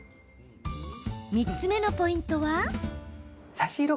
３つ目のポイントは。